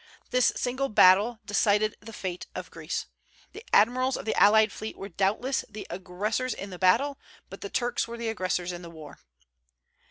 This single battle decided the fate of Greece. The admirals of the allied fleet were doubtless "the aggressors in the battle; but the Turks were the aggressors in the war."